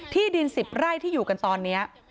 ที่ดิน๑๐ไร่ที่อยู่กันตอนนี้